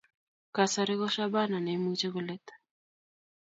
Kasari ko Shabana ne imuche kolet